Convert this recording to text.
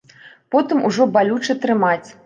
Потым ужо балюча трымаць.